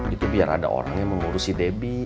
itu biar ada orang yang mengurusi debbie